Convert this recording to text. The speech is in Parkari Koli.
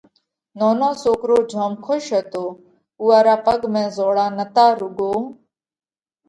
نونو سوڪرو جوم کُش هتو، اُوئا را پڳ ۾ زوڙا نتا روڳو